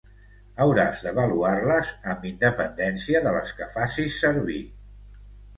Hauràs d'avaluar-les amb independència de les que facis servir.